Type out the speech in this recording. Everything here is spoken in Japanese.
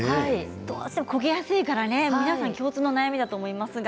どうしても焦げやすいから皆さん共通の悩みだと思います。